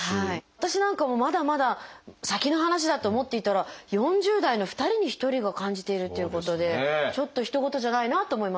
私なんかもまだまだ先の話だと思っていたら４０代の２人に１人が感じているっていうことでちょっとひと事じゃないなと思います。